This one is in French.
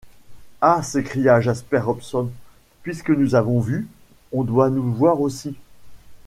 Ah! s’écria Jasper Hobson, puisque nous avons vu, on doit nous voir aussi !